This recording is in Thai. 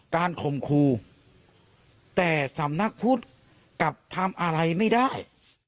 ข่มครูแต่สำนักพุทธกลับทำอะไรไม่ได้